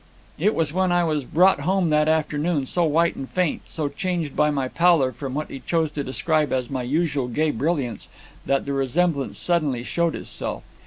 It was when I was brought home that afternoon, so white and faint, so changed by my pallor from what he chose to describe as my usual gay brilliance, that the resemblance suddenly showed itself.